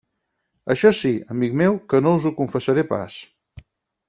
Això sí, amic meu, que no us ho confessaré pas.